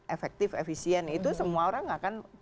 efektif efisien itu semua orang akan